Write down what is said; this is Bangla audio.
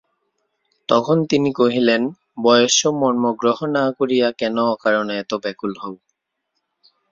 তখন তিনি কহিলেন, বয়স্য মর্মগ্রহ না করিয়া কেন অকারণে এত ব্যাকুল হও।